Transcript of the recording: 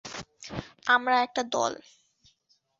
আমরা একটা দল।